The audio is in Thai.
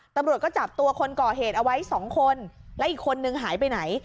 ตำรวจก็จับตัวคนก่อเหตุเอาไว้สองคนและอีกคนนึงหายไปไหน